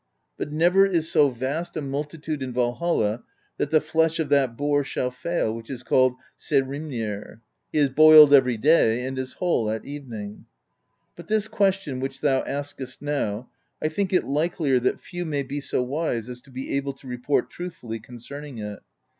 But never is so vast a multitude in Valhall that the flesh of that boar shall fail, which is called Saehrimnir; he is boiled every day and is whole at evening. But this question which thou askest now: I think it likelier that few may be so wise as to be able to report truthfully concerning it.